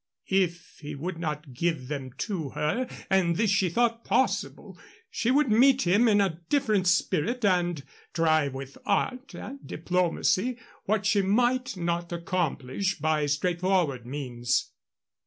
If he would not give them to her and this she thought possible she would meet him in a different spirit and try with art and diplomacy what she might not accomplish by straightforward methods.